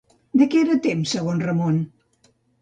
De què era temps, segons el Ramon?